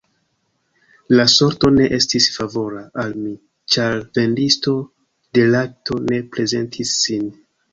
La sorto ne estis favora al mi, ĉar vendisto de lakto ne prezentis sin.